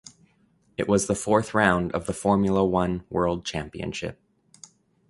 It was the fourth round of the Formula One World Championship.